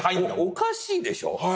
おかしいでしょ。